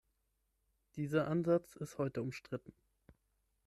Dieser Ansatz ist heute umstritten.